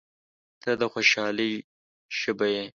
• ته د خوشحالۍ ژبه یې.